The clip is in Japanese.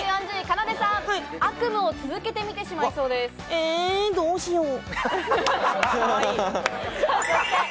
え、どうしよう？